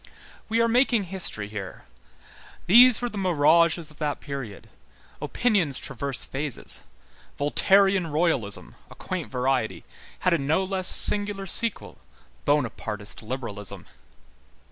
We are making history here. These were the mirages of that period. Opinions traverse phases. Voltairian royalism, a quaint variety, had a no less singular sequel, Bonapartist liberalism.